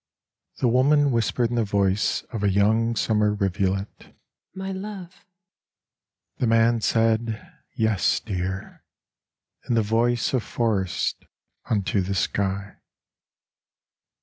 The woman whispered in the voice of a young summer rivulet : *My love! * The man said, ' Yes, dear !' In the voice of forests unto the sky.